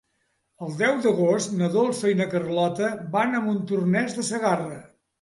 El deu d'agost na Dolça i na Carlota van a Montornès de Segarra.